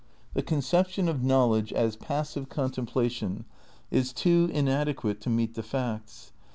"The conception of knowledge as passive contemplation is too inadequate to meet the facts.